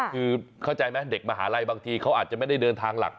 คือเข้าใจไหมเด็กมหาลัยบางทีเขาอาจจะไม่ได้เดินทางหลัก